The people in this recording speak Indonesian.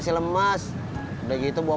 kereta itu juga